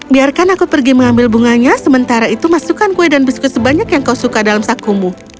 biarkan aku pergi mengambil bunganya sementara itu masukkan kue dan biskuit sebanyak yang kau suka dalam sakumu